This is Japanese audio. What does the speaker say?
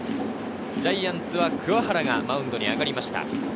ジャイアンツは鍬原がマウンドに上がりました。